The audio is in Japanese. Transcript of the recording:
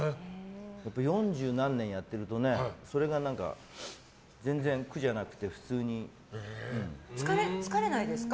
４０何年やってるとそれが全然苦じゃなくて疲れないですか？